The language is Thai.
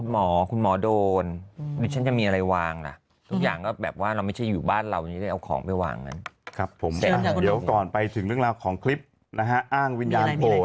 มันเห็นนะพี่วางอะไรไว้ให้มันล้อมกล้านี่ฉันไม่ใช่เป็นของคุณหมอคุณหมอโดน